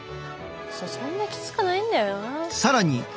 そんなきつくないんだよな。